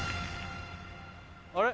あれ？